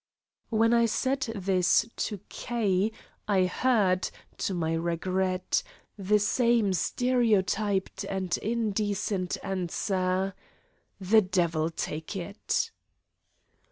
When I said this to K. I heard, to my regret, the same stereotyped and indecent answer: "The devil take it!"